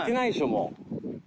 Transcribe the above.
もう。